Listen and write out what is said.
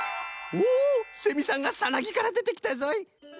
おセミさんがサナギからでてきたぞい。